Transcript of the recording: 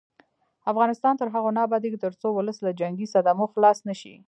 افغانستان تر هغو نه ابادیږي، ترڅو ولس له جنګي صدمو خلاص نشي.